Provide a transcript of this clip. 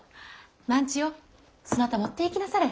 万千代そなた持っていきなされ。